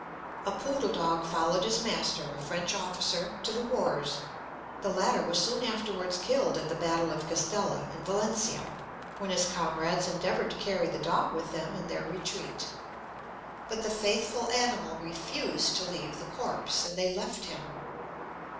A poodle dog followed his master, a French officer, to the wars; the latter was soon afterwards killed at the battle of Castella, in Valencia, when his comrades endeavoured to carry the dog with them in their retreat; but the faithful animal refused to leave the corpse, and they left him.